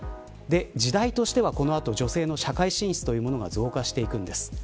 時代としては、この後女性の社会進出というものが増加していくんです。